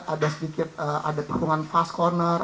ada sedikit ada tikungan fast corner